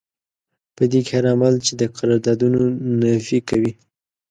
په دې کې هر عمل چې د قراردادونو نفي کوي.